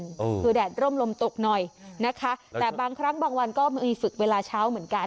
คือแดดร่มลมตกหน่อยนะคะแต่บางครั้งบางวันก็มีฝึกเวลาเช้าเหมือนกัน